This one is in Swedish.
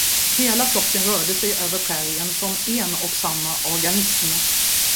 Hela flocken rörde sig över prärien som en och samma organism.